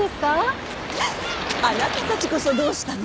あなたたちこそどうしたの？